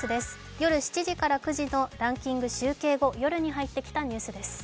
夜７時から９時のランキング集計後、夜に入ってきたニュースです。